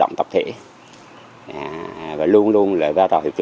em thấy thấy bé ball game